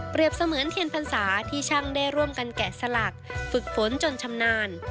เสมือนเทียนพรรษาที่ช่างได้ร่วมกันแกะสลักฝึกฝนจนชำนาญ